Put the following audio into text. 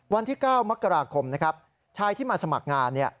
วันที่๙มกราคมชายที่มาสมัครงาน